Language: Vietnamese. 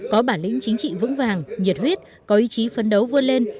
có bản lĩnh chính trị vững vàng nhiệt huyết có ý chí phấn đấu vươn lên